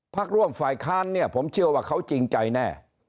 พักร่วมฝ่ายค้านเนี่ยผมเชื่อว่าเขาจริงใจแน่